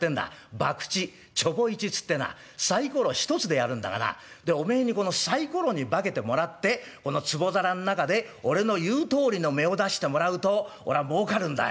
ばくちちょぼいちっつってなサイコロ一つでやるんだがなでおめえにこのサイコロに化けてもらってこのつぼ皿ん中で俺の言うとおりの目を出してもらうと俺はもうかるんだよ。